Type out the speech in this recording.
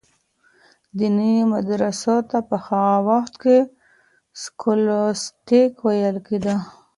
دیني مدرسو ته په هغه وخت کي سکولاستیک ویل کیده.